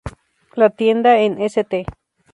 La tienda, en St.